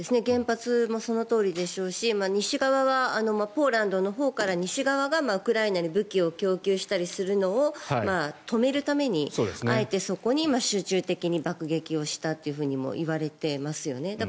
原発もそのとおりでしょうし西側はポーランドのほうから西側がウクライナに武器を供給したりするのを止めるためにあえてそこに爆撃したともいわれていますよね。